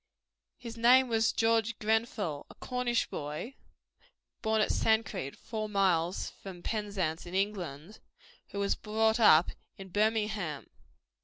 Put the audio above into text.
His name was George Grenfell, a Cornish boy (born at Sancreed, four miles from Penzance, in England), who was brought up in Birmingham.